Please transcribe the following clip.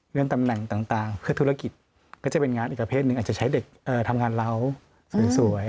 ตำแหน่งต่างเพื่อธุรกิจก็จะเป็นงานอีกประเภทหนึ่งอาจจะใช้เด็กทำงานเราสวย